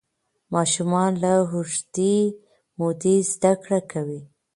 ماشومان له اوږدې مودې زده کړه کوي.